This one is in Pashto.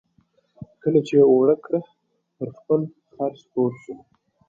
کله چې یې اوړه کړه په خپل خر سپور شو.